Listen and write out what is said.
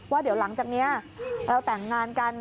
ว่าเดี๋ยวหลังจากนี้เราแต่งงานกัน